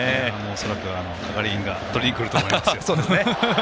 恐らく係員が取りにくると思いますよ。